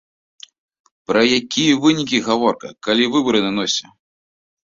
Пра якія вынікі гаворка, калі выбары на носе!